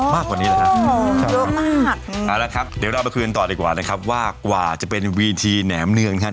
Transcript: มากกว่านี้เหรอครับเยอะมากเอาละครับเดี๋ยวเรามาคืนต่อดีกว่านะครับว่ากว่าจะเป็นวีทีแหนมเนืองครับ